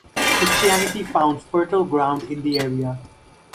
Christianity found fertile ground in the area.